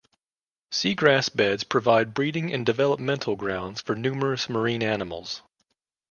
Sea grass beds provide breeding and developmental grounds for numerous marine animals.